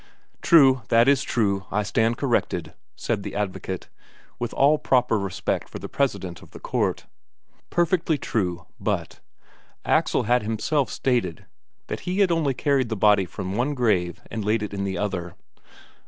"True, that is true. I stand corrected," said the advocate, with all proper respect for the president of the court. Perfectly true. But Axel had himself stated that he had only carried the body from one grave and laid it in the other.